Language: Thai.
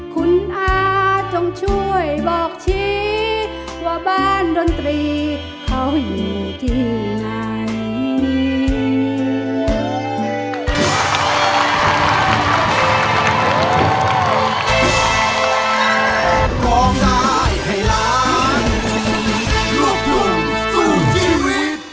คุณอาจงช่วยบอกชี้ว่าบ้านดนตรีเขาอยู่ที่ไหน